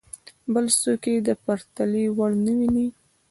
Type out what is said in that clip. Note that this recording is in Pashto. بل څوک یې د پرتلې وړ نه ویني.